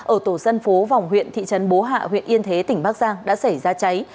ở tổ dân phố vòng huyện thị trấn bố hạ huyện yên thế tỉnh bắc giang đã xảy ra cháy